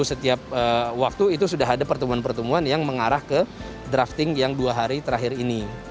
setiap waktu itu sudah ada pertemuan pertemuan yang mengarah ke drafting yang dua hari terakhir ini